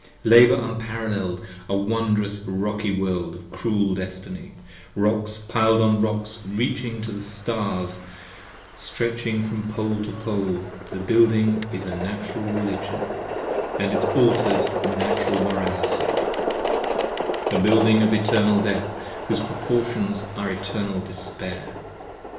Labour unparall[el]ed! a wondrous rocky World of cruel destiny, Rocks piled on rocks reaching the stars, stretching from pole to pole. The Building is Natural Religion & its Altars Natural Morality: A building of eternal death, whose proportions are eternal despair.